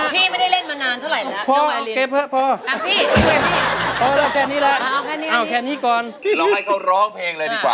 หลอกให้เขารองเพลงเลยดีกว่า